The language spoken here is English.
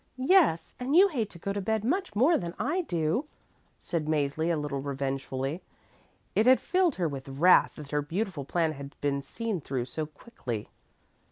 "Yes, and you hate to go to bed much more than I do," said Mäzli a little revengefully. It had filled her with wrath that her beautiful plan had been seen through so quickly.